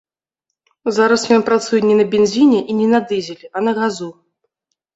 Зараз ён працуе не на бензіне і не на дызелі, а на газу.